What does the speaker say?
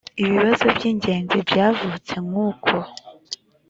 ibibazo by ingenzi byavutse nk uko